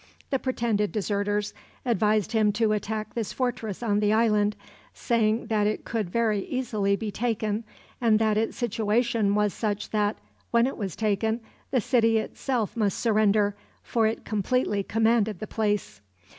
The pretended deserters advised him to attack this fortress on the island, saying that it could very easily be taken, and that its situation was such that, when it was taken, the city itself must surrender, for it completely commanded the place.